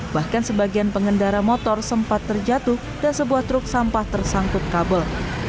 bahkan sebagian pengendara motor sempat terjatuh dan sebuah truk sampah tersangkut kabel